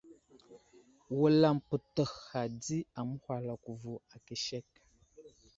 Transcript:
Wulam pətəhha di aməhwalako vo aka sek.